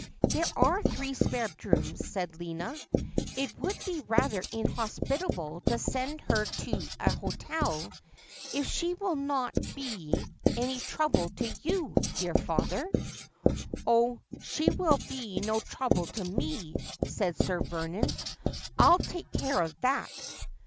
' There are three spare rooms,' said Lina. ' It would be rather inhospitable to send her to an hotel — if she will not be any trouble to you, dear father '' Oh, she will be no trouble to me,' said Sir Vernon. ' I'll take care of that.'